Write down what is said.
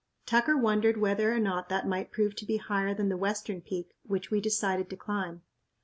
Tucker wondered whether or not that might prove to be higher than the western peak which we decided to climb.